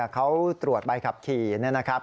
เขาตรวจใบขับขี่นะครับ